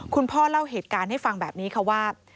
พ่อเล่าเหตุการณ์ให้ฟังแบบนี้ค่ะว่า